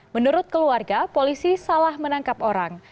menurut keluarga polisi salah menangkap orang